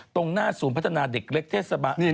ตรงหน้าศูนย์พัฒนาเด็กเล็กเทศบาล